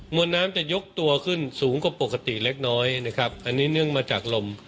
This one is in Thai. วนน้ำจะยกตัวขึ้นสูงกว่าปกติเล็กน้อยนะครับอันนี้เนื่องมาจากลม